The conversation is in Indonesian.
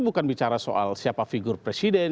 bukan bicara soal siapa figur presiden